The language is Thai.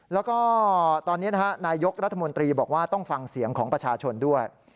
แล้วก็ตอนนี้นายกรัฐมนตรีบอกว่าต้องฟังเสียงของประชาชนด้วย